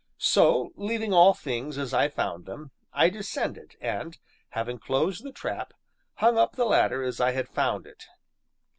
So, leaving all things as I found them, I descended, and, having closed the trap, hung up the ladder as I had found it.